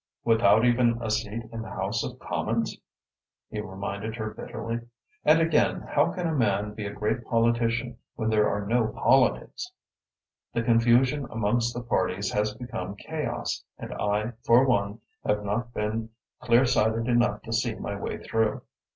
"Without even a seat in the House of Commons," he reminded her bitterly. "And again, how can a man be a great politician when there are no politics? The confusion amongst the parties has become chaos, and I for one have not been clear sighted enough to see my way through."